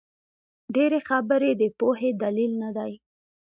ډېري خبري د پوهي دلیل نه دئ.